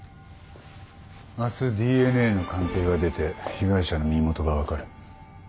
明日ＤＮＡの鑑定が出て被害者の身元が分かる。